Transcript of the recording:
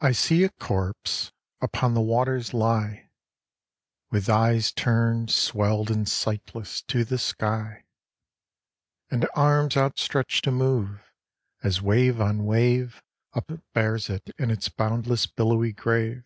'I see a corpse upon the waters lie, With eyes turned, swelled and sightless, to the sky, And arms outstretched to move, as wave on wave Upbears it in its boundless billowy grave.